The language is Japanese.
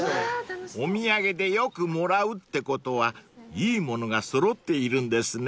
［お土産でよくもらうってことはいいものが揃っているんですね］